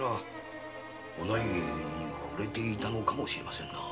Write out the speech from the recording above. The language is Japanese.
ご内儀にほれていたのかもしれませんな。